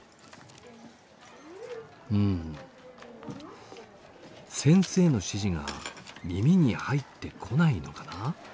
うん先生の指示が耳に入ってこないのかなあ。